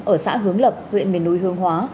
ở xã hướng lập huyện miền núi hương hóa